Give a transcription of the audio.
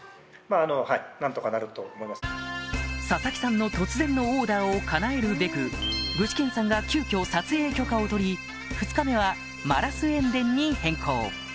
佐々木さんの突然のオーダーをかなえるべく具志堅さんが急きょ撮影許可を取り２日目はマラス塩田に変更